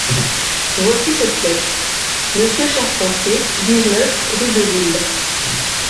Voici cette lettre : «Monsieur Charpentier, dix-neuf, rue de Lille.